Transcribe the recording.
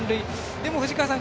でも、藤川さん